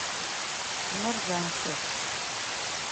Мыр Жансэт.